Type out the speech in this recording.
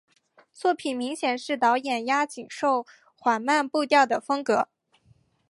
作品明显是导演押井守缓慢步调的风格。